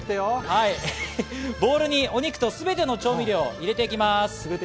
ボウルにお肉とすべての調味料を入れていきます。